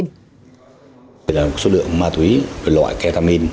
đây là một số lượng ma túy loại kê lê mi